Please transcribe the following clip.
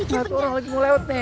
satu orang lagi mau lewat nih